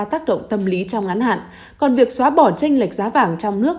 tác động tâm lý trong ngắn hạn còn việc xóa bỏ tranh lệch giá vàng trong nước